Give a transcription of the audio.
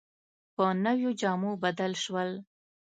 په نویو جامو بدل شول.